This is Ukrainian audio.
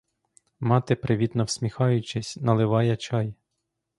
Мати, привітно всміхаючись, наливає чай.